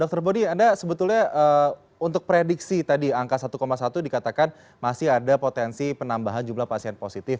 dr bodi anda sebetulnya untuk prediksi tadi angka satu satu dikatakan masih ada potensi penambahan jumlah pasien positif